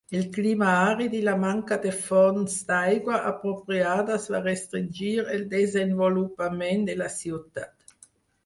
El clima àrid i la manca de fonts d'aigua apropiades va restringir el desenvolupament de la ciutat.